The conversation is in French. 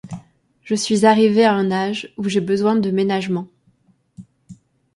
Je suis arrivée à un âge où j’ai besoin de ménagements.